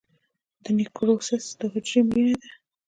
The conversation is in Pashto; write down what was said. د نیکروسس د حجرو مړینه ده.